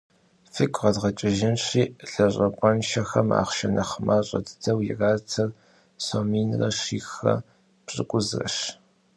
Фигу къэдгъэкӏыжынщи, лэжьапӏэншэхэм ахъшэ нэхъ мащӏэ дыдэу иратыр сом минрэ щихрэ пщӏыкӏузрэщ.